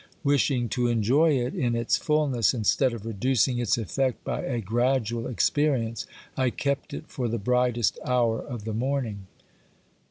Wishing to enjoy it in its fulness instead of reducing its effect by a gradual experi ence, I kept it for the brightest hour of the morning.